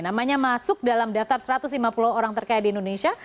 namanya masuk dalam daftar satu ratus lima puluh orang terkaya di indonesia